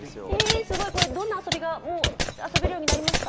どんな遊びが遊べるようになりました？